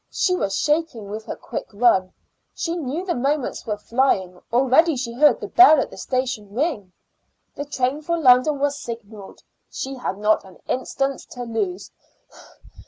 She was shaking with her quick run. She knew the moments were flying; already she heard the bell at the station ring. The train for London was signaled; she had not an instant to lose.